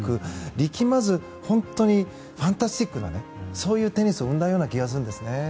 力まず本当にファンタスティックなテニスを生んだような気がするんですね。